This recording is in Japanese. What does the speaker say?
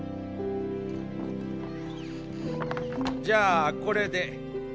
じゃあこれで。